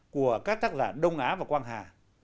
của các tác giả đông á và quang hà